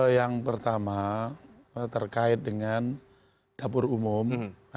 yang pertama terkait dengan dapur umum